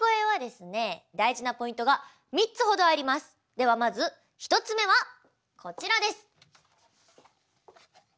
ではまず１つ目はこちらです。